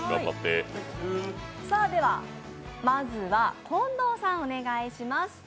ではまずは近藤さんお願いします。